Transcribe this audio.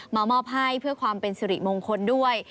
มามอบให้เพื่อความเป็นสิริมงคลด้วย